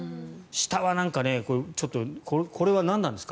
下は、これは何なんですか？